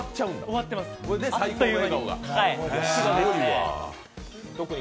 終わってます、あっという間に。